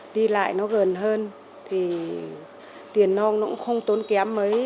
đi lại nó gần hơn thì tiền nòng nó cũng không tốn kém mấy